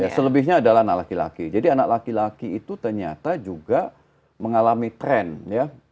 ya selebihnya adalah anak laki laki jadi anak laki laki itu ternyata juga mengalami tren ya